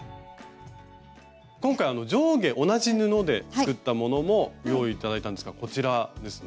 今回上下同じ布で作ったものも用意頂いたんですがこちらですね。